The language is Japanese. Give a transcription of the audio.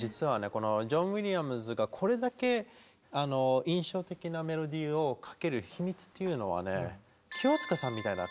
このジョン・ウィリアムズがこれだけ印象的なメロディーを書ける秘密っていうのはねええどう？